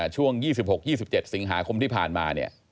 ช่วง๒๖๒๗สิงหาคมที่ผ่านมาเนี่ย